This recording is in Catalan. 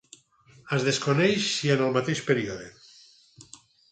Es desconeix si en el mateix període.